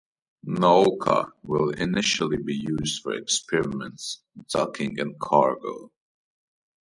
"Nauka" will initially be used for experiments, docking and cargo.